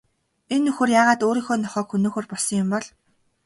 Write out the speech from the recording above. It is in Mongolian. Энэ нөхөр яагаад өөрийнхөө нохойг хөнөөхөөр болсон юм бол?